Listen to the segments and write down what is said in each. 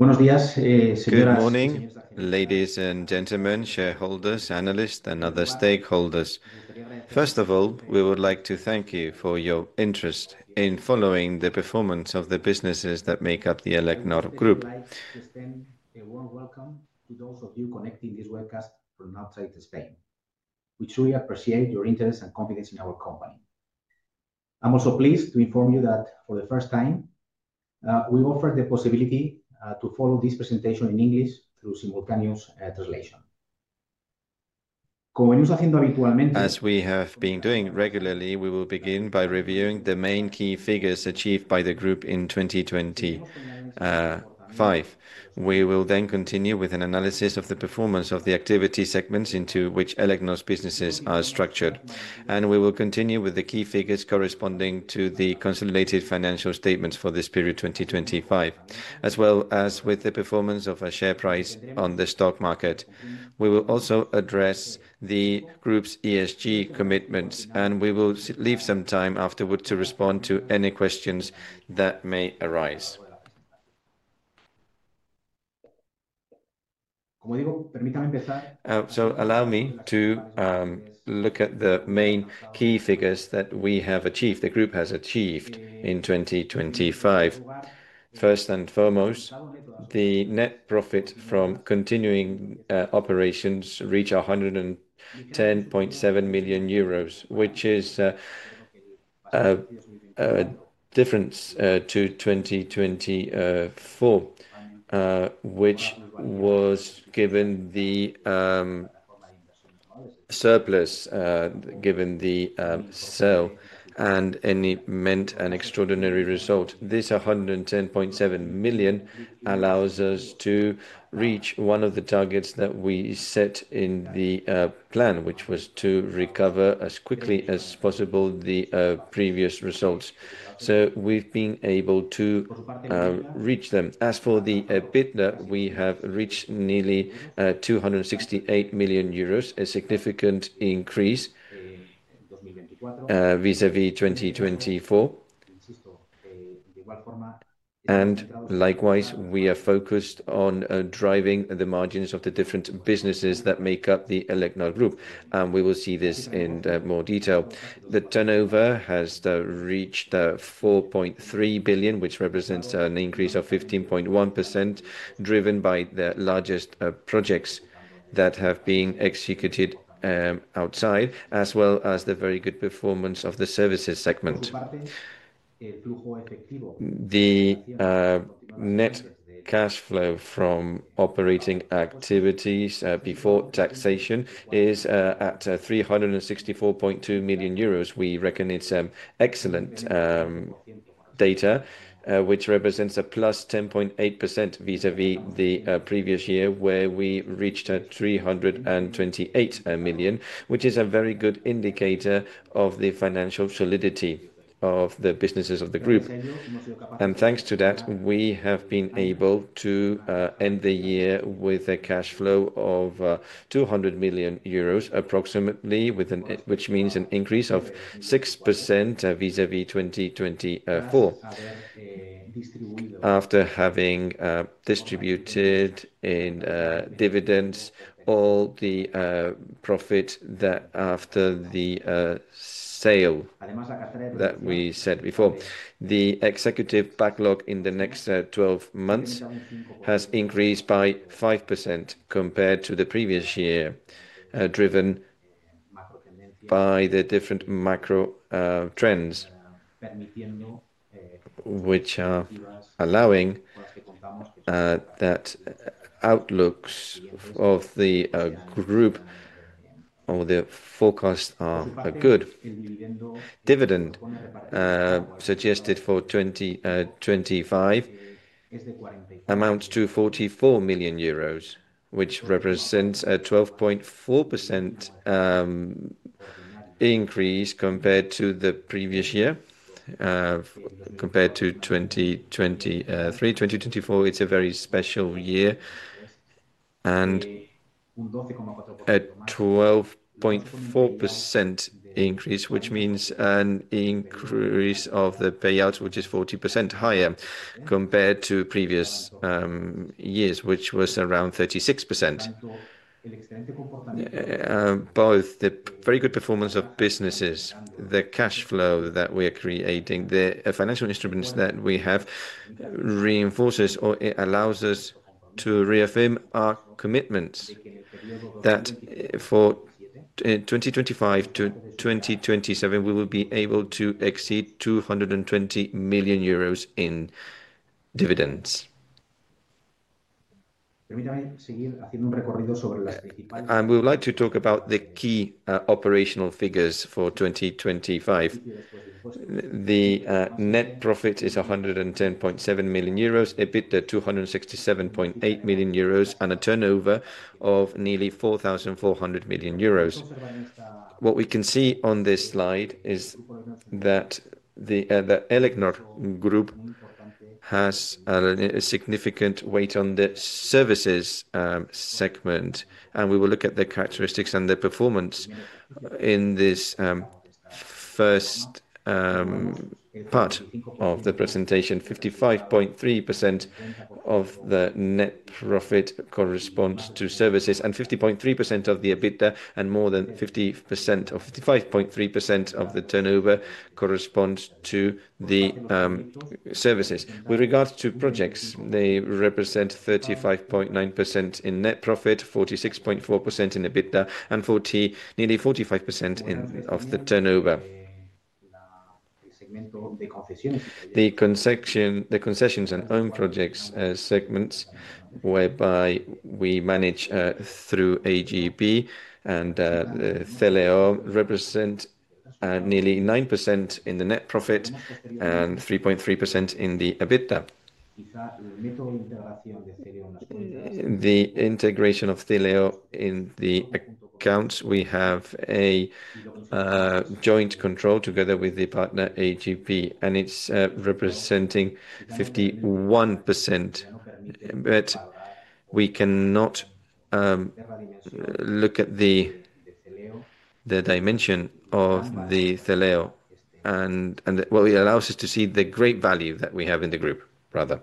Good morning, ladies and gentlemen, shareholders, analysts, and other stakeholders. First of all, we would like to thank you for your interest in following the performance of the businesses that make up the Elecnor Group. We extend a warm welcome to those of you connecting this webcast from outside Spain. We truly appreciate your interest and confidence in our company. I'm also pleased to inform you that for the first time, we offer the possibility to follow this presentation in English through simultaneous translation. As we have been doing regularly, we will begin by reviewing the main key figures achieved by the group in 2025. We will continue with an analysis of the performance of the activity segments into which Elecnor's businesses are structured, and we will continue with the key figures corresponding to the consolidated financial statements for this period, 2025, as well as with the performance of our share price on the stock market. We will also address the group's ESG commitments, and we will leave some time afterward to respond to any questions that may arise. Allow me to look at the main key figures that we have achieved, the group has achieved in 2025. First and foremost, the net profit from continuing operations reach 110.7 million euros, which is a difference to 2024. Which was given the surplus, given the sale and it meant an extraordinary result. This 110.7 million allows us to reach one of the targets that we set in the plan, which was to recover as quickly as possible the previous results. We've been able to reach them. As for the EBITDA, we have reached nearly 268 million euros, a significant increase vis-a-vis 2024. Likewise, we are focused on driving the margins of the different businesses that make up the Elecnor Group, and we will see this in more detail. The turnover has reached 4.3 billion, which represents an increase of 15.1%, driven by the largest projects that have been executed outside, as well as the very good performance of the services segment. The net cash flow from operating activities before taxation is at 364.2 million euros. We reckon it's excellent data, which represents a +10.8% vis-a-vis the previous year, where we reached 328 million, which is a very good indicator of the financial solidity of the businesses of the group. Thanks to that, we have been able to end the year with a cash flow of 200 million euros, approximately, which means an increase of 6% vis-a-vis 2024, after having distributed in dividends all the profit that after the sale that we said before. The executive backlog in the next 12 months has increased by 5% compared to the previous year, driven by the different macro trends, which are allowing that outlooks of the Group or the forecasts are good. Dividend suggested for 2025 amounts to 44 million euros, which represents a 12.4% increase compared to the previous year, compared to 2023. 2024, it's a very special year and a 12.4% increase, which means an increase of the payout, which is 40% higher compared to previous years, which was around 36%. Both the very good performance of businesses, the cash flow that we are creating, the financial instruments that we have reinforces or it allows us to reaffirm our commitments, that for 2025 to 2027, we will be able to exceed 220 million euros in dividends. We would like to talk about the key operational figures for 2025. The net profit is 110.7 million euros, EBITDA, 267.8 million euros, and a turnover of nearly 4,400 million euros. What we can see on this slide is that the Elecnor Group has a significant weight on the services. first, part of the presentation, 55.3% of the net profit corresponds to services, 50.3% of the EBITDA, and more than 55.3% of the turnover corresponds to the services. With regards to projects, they represent 35.9% in net profit, 46.4% in EBITDA, and nearly 45% of the turnover. The concessions and own projects segments, whereby we manage through APG and Celeo, represent nearly 9% in the net profit and 3.3% in the EBITDA. The integration of Celeo in the accounts, we have a joint control together with the partner, APG, and it's representing 51%. We cannot look at the dimension of the Celeo, and well, it allows us to see the great value that we have in the group, rather.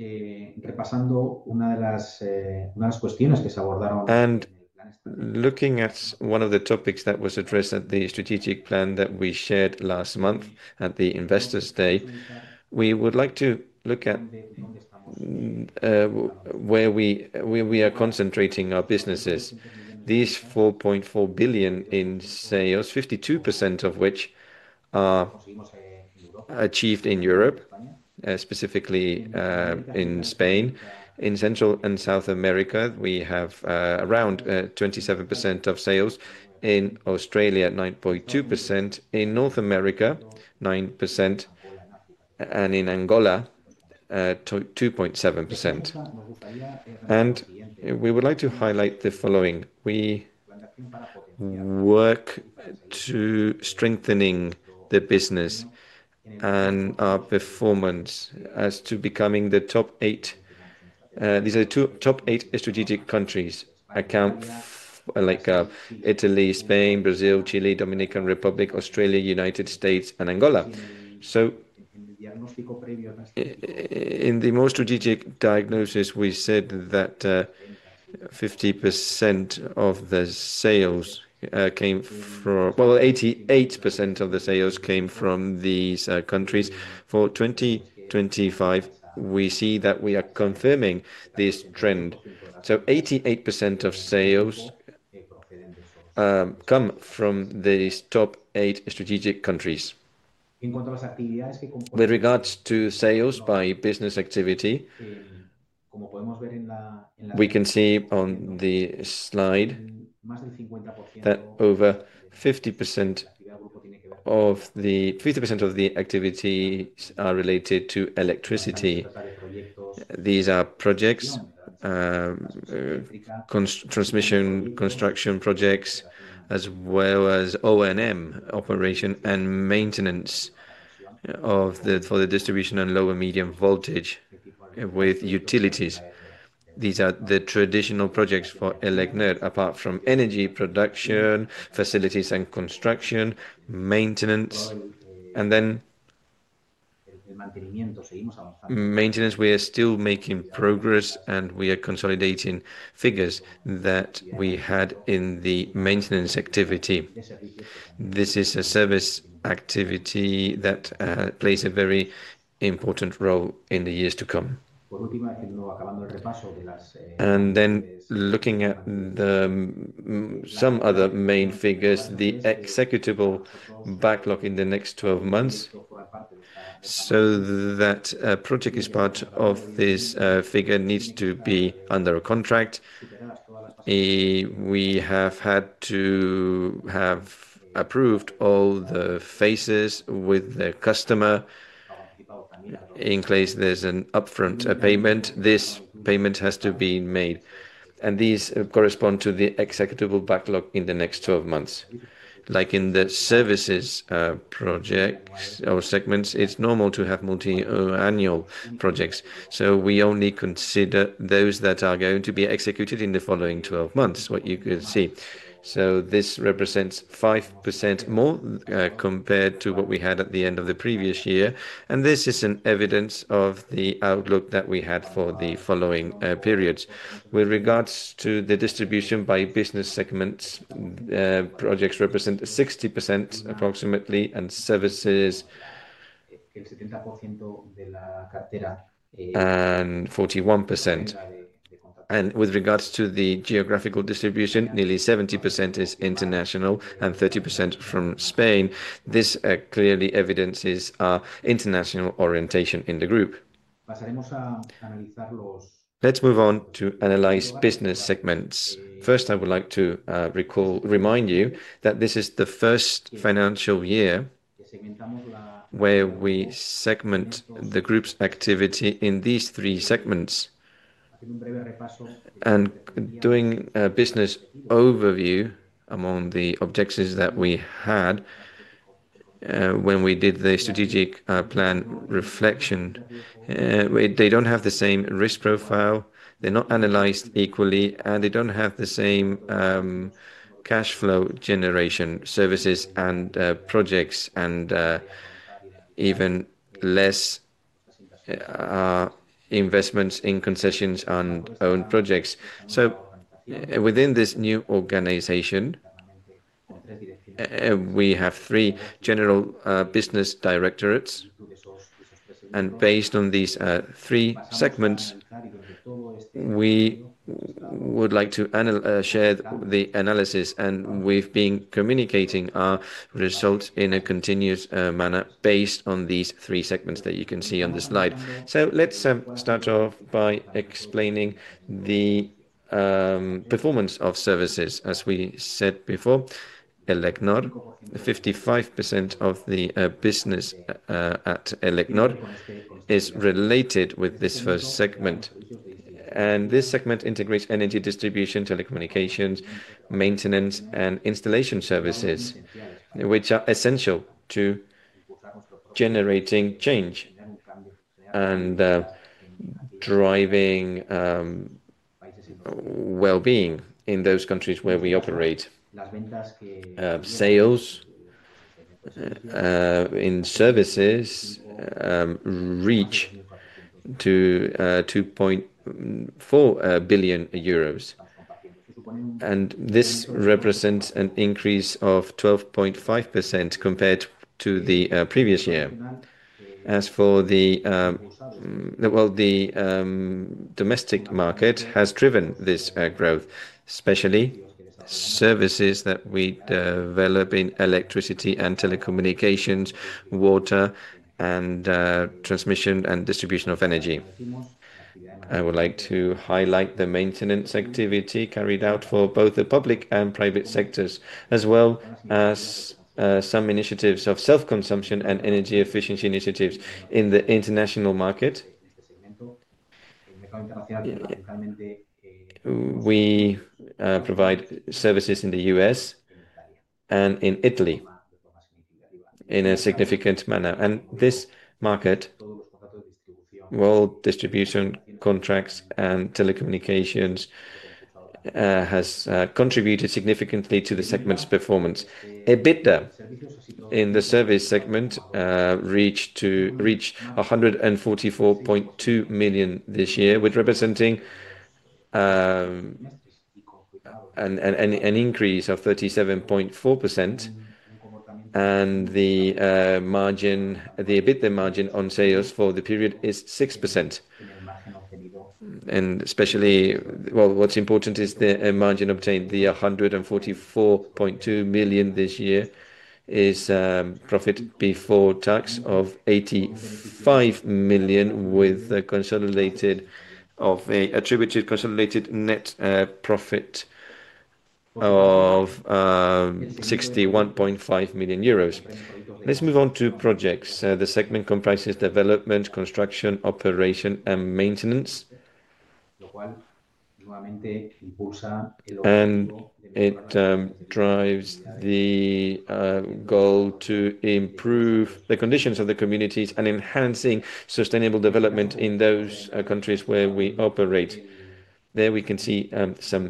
Looking at one of the topics that was addressed at the strategic plan that we shared last month at the Investors' Day, we would like to look at where we are concentrating our businesses. These 4.4 billion in sales, 52% of which are achieved in Europe, specifically in Spain. In Central and South America, we have around 27% of sales. In Australia, 9.2%. In North America, 9%, and in Angola, 2.7%. We would like to highlight the following: We work to strengthening the business and our performance as to becoming the top eight. These are the two top eight strategic countries account, like, Italy, Spain, Brazil, Chile, Dominican Republic, Australia, United States, and Angola. In the more strategic diagnosis, we said that 50% of the sales came from... Well, 88% of the sales came from these countries. For 2025, we see that we are confirming this trend. 88% of sales come from these top eight strategic countries. With regards to sales by business activity, we can see on the slide that over 50% of the 50% of the activities are related to electricity. These are projects, transmission, construction projects, as well as O&M, operation and maintenance, for the distribution and low and medium voltage with utilities. These are the traditional projects for Elecnor, apart from energy production, facilities and construction, maintenance. Maintenance, we are still making progress, and we are consolidating figures that we had in the maintenance activity. This is a service activity that plays a very important role in the years to come. Looking at some other main figures, the executable backlog in the next 12 months, so that project is part of this figure needs to be under a contract. We have had to have approved all the phases with the customer. In case there's an upfront payment, this payment has to be made, and these correspond to the executable backlog in the next 12 months. Like in the services, projects or segments, it's normal to have multi-annual projects, so we only consider those that are going to be executed in the following 12 months, what you can see. This represents 5% more compared to what we had at the end of the previous year, and this is an evidence of the outlook that we had for the following periods. With regards to the distribution by business segments, projects represent 60%, approximately, and services... Forty-one percent. With regards to the geographical distribution, nearly 70% is international and 30% from Spain. This clearly evidences our international orientation in the group. Let's move on to analyze business segments. First, I would like to remind you that this is the first financial year where we segment the group's activity in these three segments. Doing a business overview among the objectives that we had, when we did the strategic plan reflection, they don't have the same risk profile, they're not analyzed equally, and they don't have the same cash flow generation services and projects, and even less investments in concessions and own projects. Within this new organization, we have three general business directorates, and based on these three segments, we would like to share the analysis, and we've been communicating our results in a continuous manner based on these three segments that you can see on the slide. Let's start off by explaining the performance of services. As we said before, Elecnor, 55% of the business at Elecnor is related with this first segment, and this segment integrates energy distribution, telecommunications, maintenance, and installation services, which are essential to generating change and driving well-being in those countries where we operate. Sales in services reach to 2.4 billion euros, and this represents an increase of 12.5% compared to the previous year. As for the well, the domestic market has driven this growth, especially services that we develop in electricity and telecommunications, water, and transmission and distribution of energy. I would like to highlight the maintenance activity carried out for both the public and private sectors, as well as some initiatives of self-consumption and energy efficiency initiatives in the international market. We provide services in the US and in Italy in a significant manner, this market, well, distribution contracts and telecommunications, has contributed significantly to the segment's performance. EBITDA in the service segment reached 144.2 million this year, with representing an increase of 37.4%. The margin, the EBITDA margin on sales for the period is 6%. Especially... Well, what's important is the margin obtained. The 144.2 million this year is profit before tax of 85 million, with attributed consolidated net profit of 61.5 million euros. Let's move on to projects. The segment comprises development, construction, operation, and maintenance. It drives the goal to improve the conditions of the communities and enhancing sustainable development in those countries where we operate. There we can see some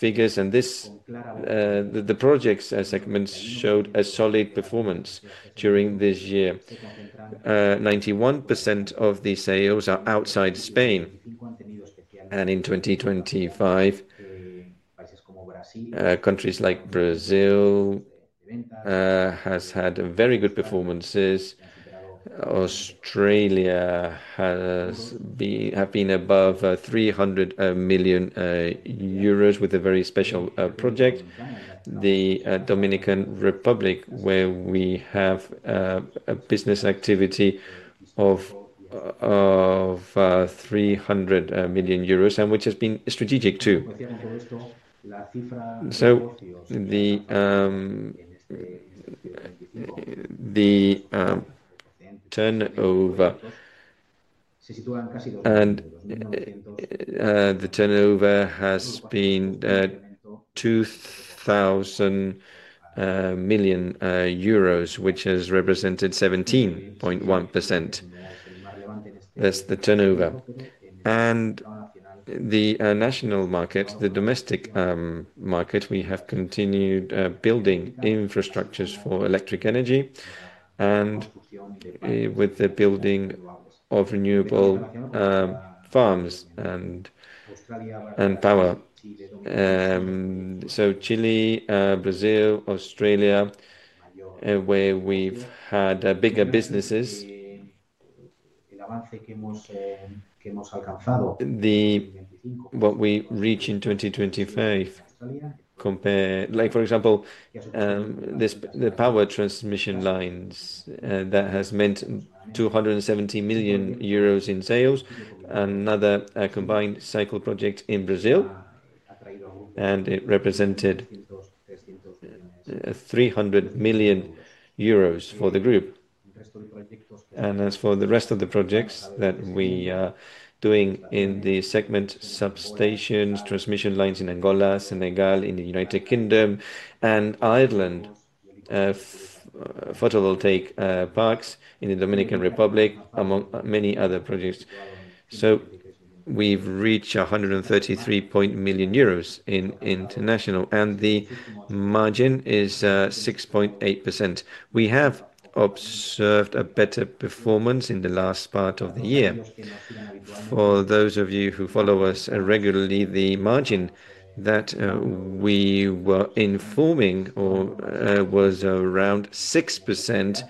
figures, and the projects segments showed a solid performance during this year. 91% of the sales are outside Spain, and in 2025, countries like Brazil has had very good performances. Australia have been above 300 million euros with a very special project. The Dominican Republic, where we have a business activity of 300 million euros, and which has been strategic, too. The turnover, and the turnover has been 2,000 million euros, which has represented 17.1%. That's the turnover. The national market, the domestic market, we have continued building infrastructures for electric energy and with the building of renewable farms and power. Chile, Brazil, Australia, where we've had bigger businesses. What we reached in 2025 Like, for example, the power transmission lines that has meant 270 million euros in sales. Another combined cycle project in Brazil, and it represented 300 million euros for the group. As for the rest of the projects that we are doing in the segment, substations, transmission lines in Angola, Senegal, in the United Kingdom, and Ireland, photovoltaic parks in the Dominican Republic, among many other projects. We've reached 133 point million EUR in international, and the margin is, 6.8%. We have observed a better performance in the last part of the year. For those of you who follow us, regularly, the margin that, we were informing or, was around 6%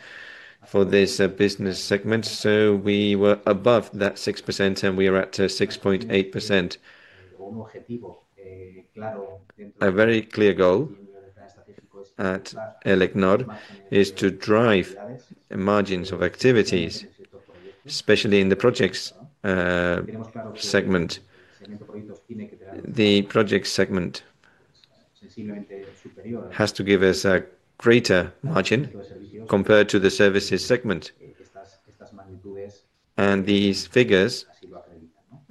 for this, business segment, We were above that 6%, and we are at, 6.8%. A very clear goal at Elecnor is to drive margins of activities, especially in the projects, segment. The project segment has to give us a greater margin compared to the services segment, and these figures,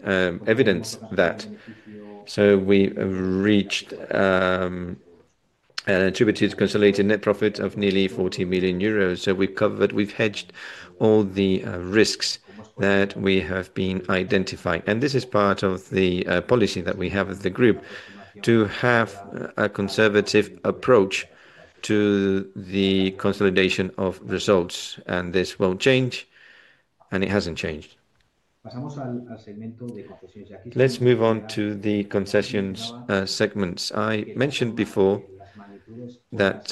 evidence that. We have reached, attributed consolidated net profit of nearly 40 million euros. We've hedged all the, risks that we have been identifying. This is part of the policy that we have as a group, to have a conservative approach to the consolidation of results, and this won't change, and it hasn't changed. Let's move on to the concessions segments. I mentioned before that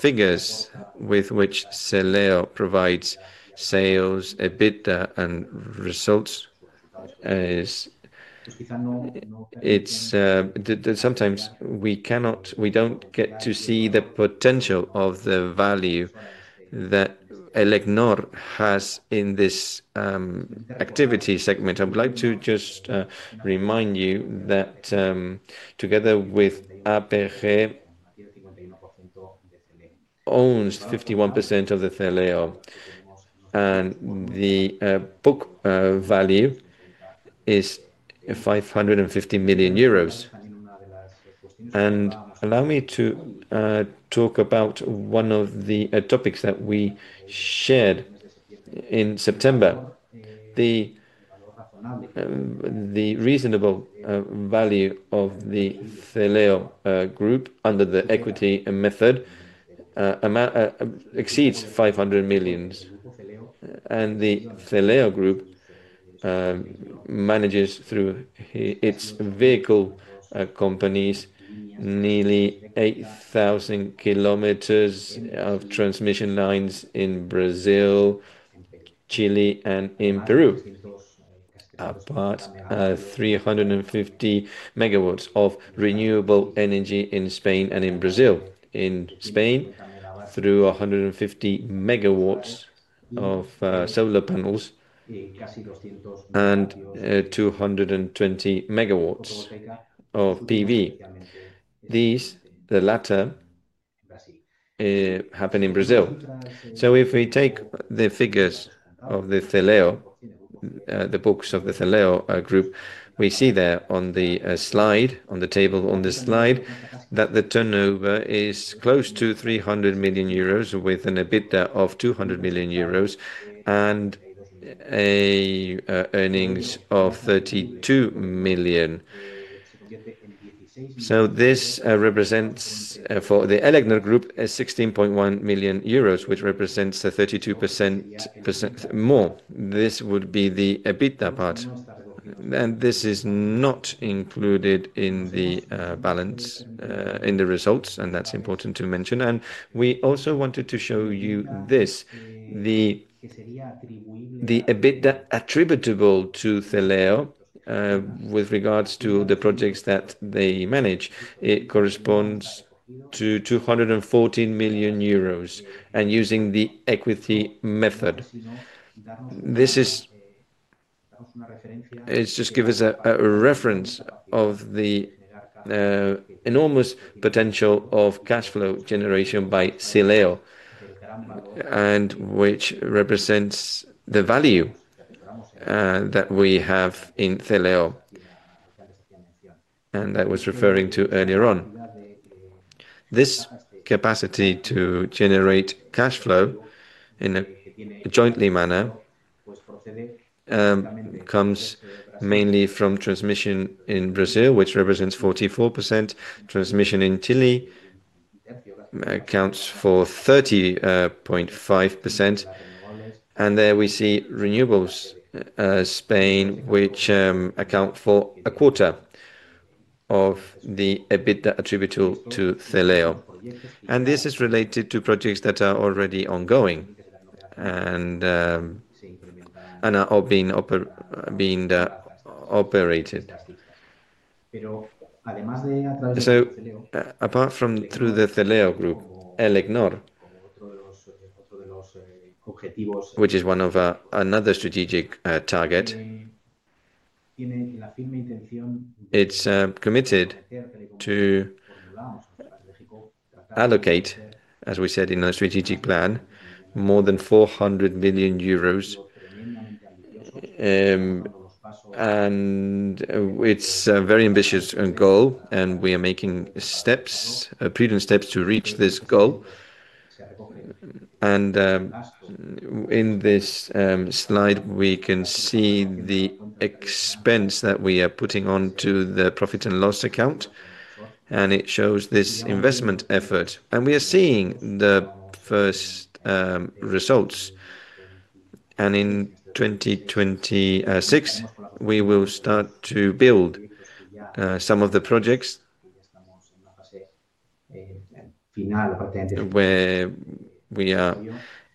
figures with which Celeo provides sales, EBITDA, and results, it's the we don't get to see the potential of the value that Elecnor has in this activity segment. I would like to just remind you that, together with APG, owns 51% of the Celeo, and the book value is 550 million euros. Allow me to talk about one of the topics that we shared in September. The reasonable value of the Celeo group under the equity method amount exceeds 500 million. The Celeo Group manages through its vehicle companies, nearly 8,000 kilometers of transmission lines in Brazil, Chile, and in Peru, apart 350 MW of renewable energy in Spain and in Brazil. In Spain, through 150 MW of solar panels and 220 MW of PV. These, the latter, happen in Brazil. If we take the figures of the Celeo, the books of the Celeo group, we see there on the slide, on the table on this slide, that the turnover is close to 300 million euros, with an EBITDA of 200 million euros and earnings of 32 million. This represents for the Elecnor Group, 16.1 million euros, which represents 32% more. This would be the EBITDA part. This is not included in the balance in the results, and that's important to mention. We also wanted to show you this, the EBITDA attributable to Celeo, with regards to the projects that they manage, it corresponds to 214 million euros, using the equity method. It's just give us a reference of the enormous potential of cash flow generation by Celeo, which represents the value that we have in Celeo, I was referring to earlier on. This capacity to generate cash flow in a jointly manner, comes mainly from transmission in Brazil, which represents 44%. Transmission in Chile accounts for 30.5%, and there we see renewables, Spain, which account for a quarter of the EBITDA attributable to Celeo. This is related to projects that are already ongoing and are all being operated. Apart from through the Celeo Group, Elecnor, which is one of another strategic target, it's committed to allocate, as we said in our strategic plan, more than 400 million euros. It's a very ambitious goal, and we are making steps, prudent steps to reach this goal. In this slide, we can see the expense that we are putting onto the profit and loss account, and it shows this investment effort. We are seeing the first results. In 2026, we will start to build some of the projects. Where we are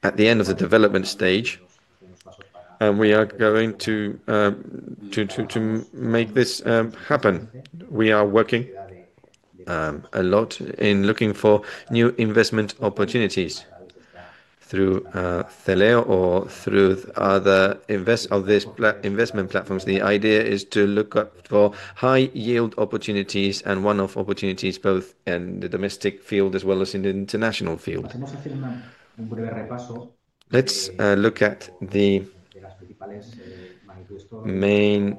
at the end of the development stage, and we are going to make this happen. We are working a lot in looking for new investment opportunities through Celeo or through other investment platforms. The idea is to look up for high-yield opportunities and one-off opportunities, both in the domestic field as well as in the international field. Let's look at the main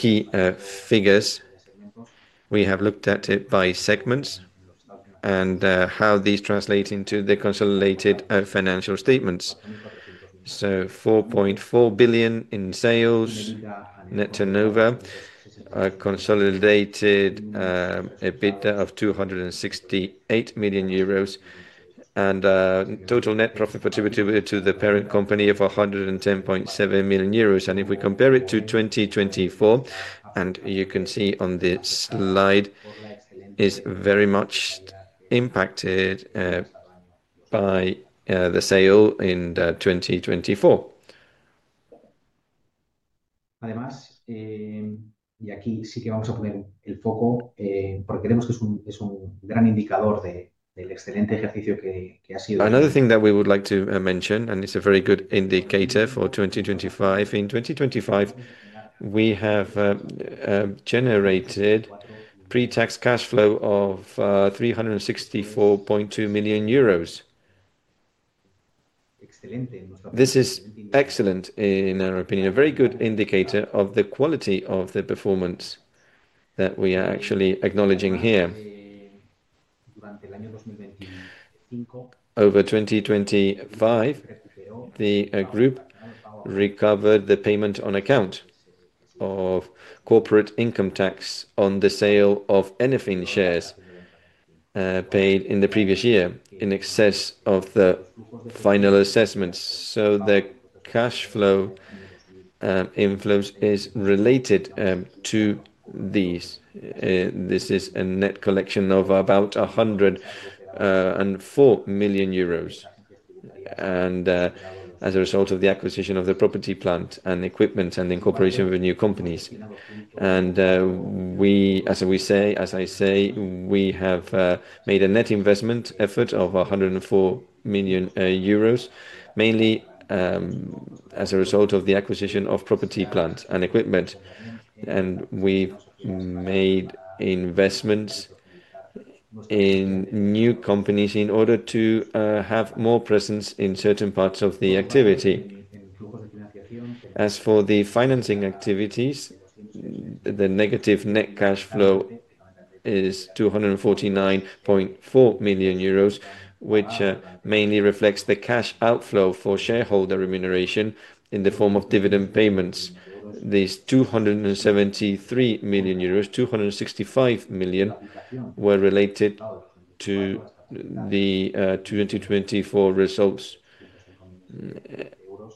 key figures. We have looked at it by segments and how these translate into the consolidated financial statements. 4.4 billion in sales. Net turnover, a consolidated EBITDA of 268 million euros, and total net profit attributed to the parent company of 110.7 million euros. If we compare it to 2024, and you can see on the slide, is very much impacted by the sale in 2024. Another thing that we would like to mention, and it's a very good indicator for 2025: in 2025, we have generated pre-tax cash flow of 364.2 million euros. This is excellent in our opinion, a very good indicator of the quality of the performance that we are actually acknowledging here. Over 2025, the group recovered the payment on account of corporate income tax on the sale of Enerfin shares, paid in the previous year in excess of the final assessments. The cash flow inflows is related to these. This is a net collection of about 104 million euros, and as a result of the acquisition of the property, plant, and equipment, and the incorporation of the new companies. As I say, we have made a net investment effort of 104 million euros, mainly as a result of the acquisition of property, plant, and equipment. We've made investments in new companies in order to have more presence in certain parts of the activity. As for the financing activities, the negative net cash flow is 249.4 million euros, which mainly reflects the cash outflow for shareholder remuneration in the form of dividend payments. These 273 million euros, 265 million, were related to the 2024 results.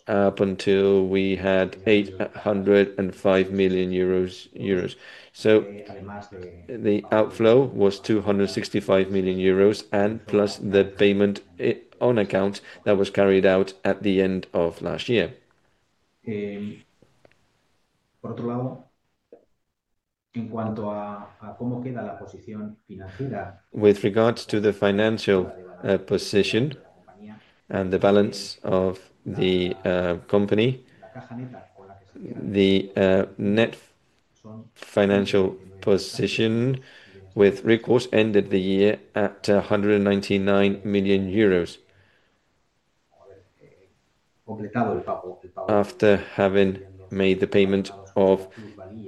Up until we had 805 million euros. The outflow was 265 million euros, and plus the payment on account that was carried out at the end of last year. With regards to the financial position and the balance of the company, the net financial position with recourse ended the year at 199 million euros. After having made the payment of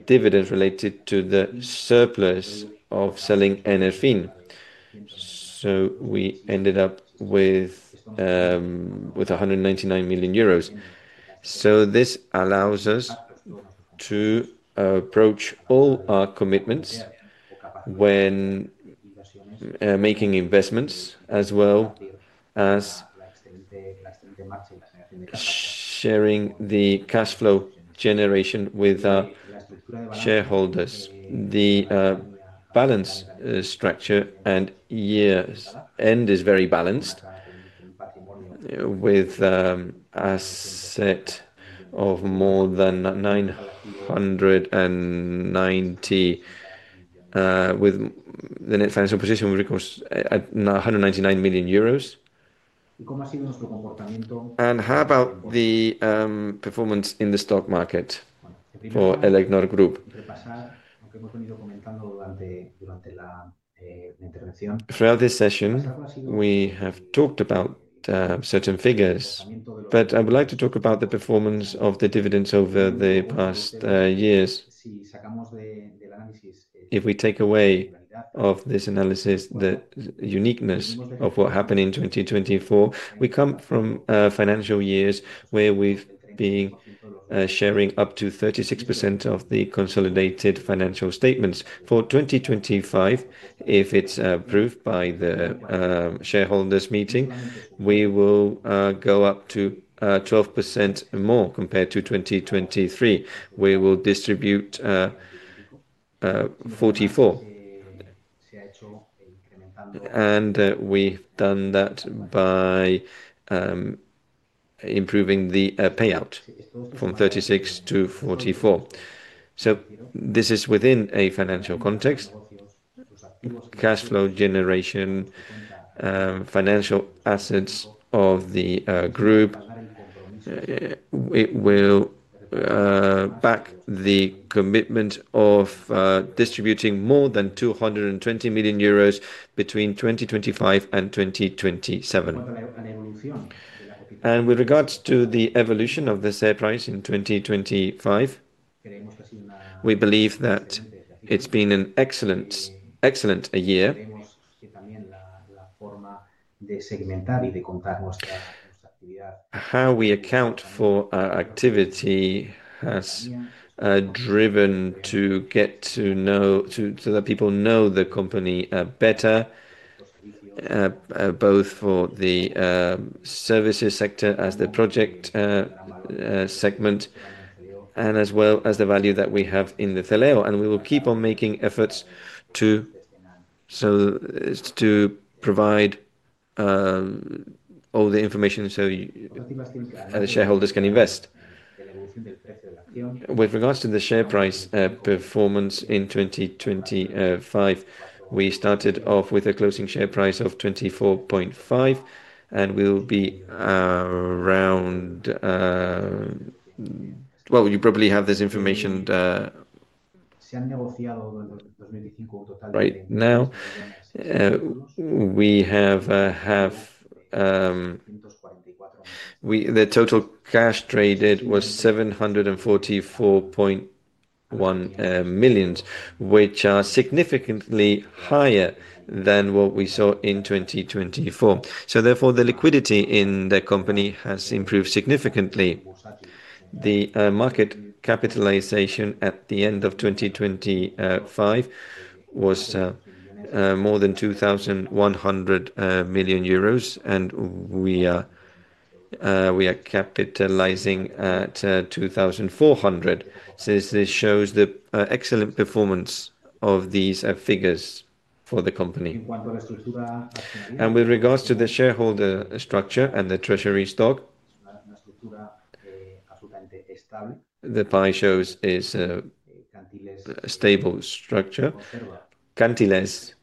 dividends related to the surplus of selling Enerfin. We ended up with 199 million euros. This allows us to approach all our commitments when making investments, as well as sharing the cash flow generation with our shareholders. Balance structure and year's end is very balanced with asset of more than 990, with the net financial position, of course, at 199 million euros. How about the performance in the stock market for Elecnor Group? Throughout this session, we have talked about certain figures, but I would like to talk about the performance of the dividends over the past years. If we take away of this analysis the uniqueness of what happened in 2024, we come from financial years where we've been sharing up to 36% of the consolidated financial statements. For 2025, if it's approved by the shareholders' meeting, we will go up to 12% more compared to 2023. We will distribute 44%. We've done that by improving the payout from 36% to 44%. This is within a financial context. Cash flow generation, financial assets of the Elecnor Group, it will back the commitment of distributing more than 220 million euros between 2025 and 2027. With regards to the evolution of the share price in 2025, we believe that it's been an excellent year. How we account for our activity has driven to get to know... to, so that people know the company better, both for the services sector as the project segment, and as well as the value that we have in the Celeo. We will keep on making efforts to, so, to provide all the information, so the shareholders can invest. With regards to the share price performance in 2025, we started off with a closing share price of 24.5, and we'll be around... Well, you probably have this information. Right now, we have The total cash traded was 744.1 million, which are significantly higher than what we saw in 2024. Therefore, the liquidity in the company has improved significantly. The market capitalization at the end of 2025 was more than 2,100 million euros, we are capitalizing at 2,400. This shows the excellent performance of these figures for the company. With regards to the shareholder structure and the treasury stock, the pie shows a stable structure. Cantiles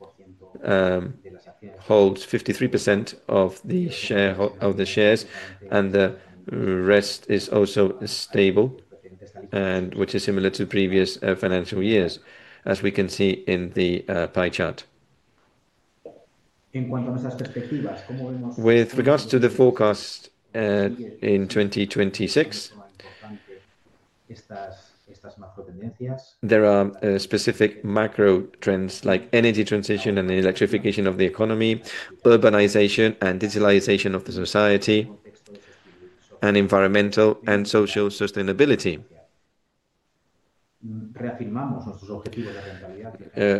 holds 53% of the shares, and the rest is also stable and which is similar to previous financial years, as we can see in the pie chart. With regards to the forecast, in 2026, there are specific macro trends like energy transition and the electrification of the economy, urbanization and digitalization of the society, and environmental and social sustainability.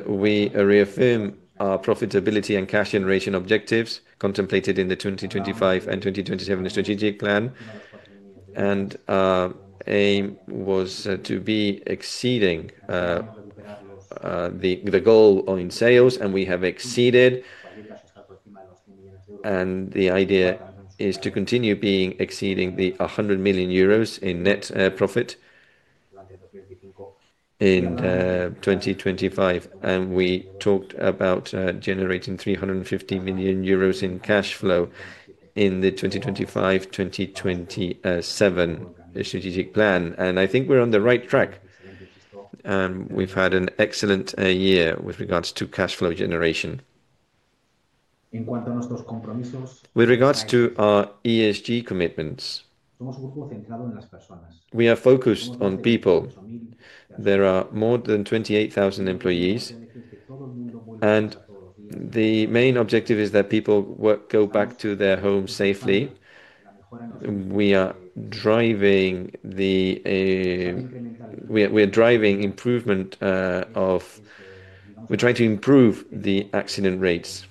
We reaffirm our profitability and cash generation objectives contemplated in the 2025 and 2027 strategic plan, aim was to be exceeding the goal on sales, and we have exceeded. The idea is to continue being exceeding the 100 million euros in net profit in 2025. We talked about generating 350 million euros in cash flow in the 2025/2027 strategic plan. I think we're on the right track, and we've had an excellent year with regards to cash flow generation. With regards to our ESG commitments, we are focused on people. There are more than 28,000 employees, and the main objective is that people work, go back to their homes safely. We are driving the... We are driving improvement of... We're trying to improve the accident rates.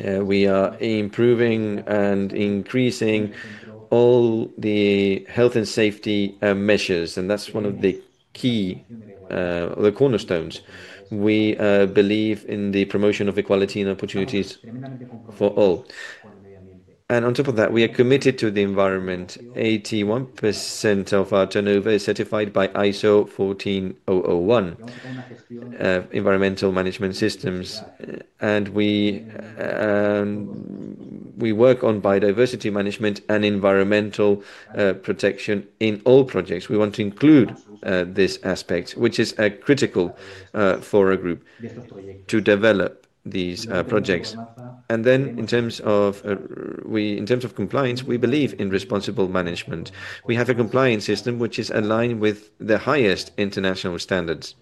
We are improving and increasing all the health and safety measures, and that's one of the key cornerstones. We believe in the promotion of equality and opportunities for all. On top of that, we are committed to the environment. 81% of our turnover is certified by ISO 14001 Environmental Management Systems. We work on biodiversity management and environmental protection in all projects. We want to include this aspect, which is critical for a group to develop these projects. In terms of compliance, we believe in responsible management. We have a compliance system which is aligned with the highest international standards.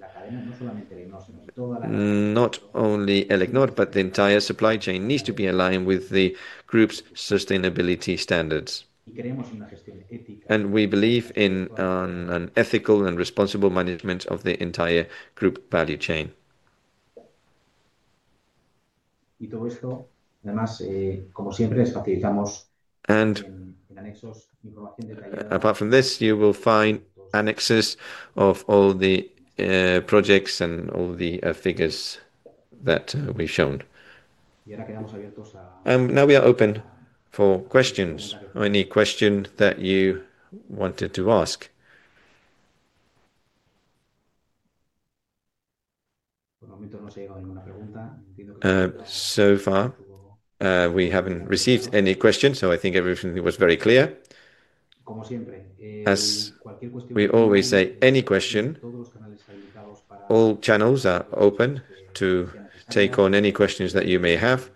Not only Elecnor, but the entire supply chain needs to be aligned with the group's sustainability standards. We believe in an ethical and responsible management of the entire group value chain. Apart from this, you will find annexes of all the projects and all the figures that we've shown. Now we are open for questions or any question that you wanted to ask. So far, we haven't received any questions, so I think everything was very clear. As we always say, any question, all channels are open to take on any questions that you may have.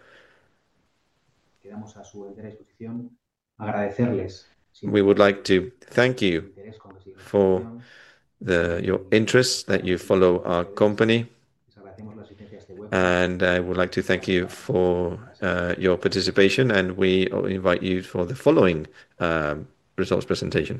We would like to thank you for your interest, that you follow our company. I would like to thank you for your participation, and we invite you for the following results presentation.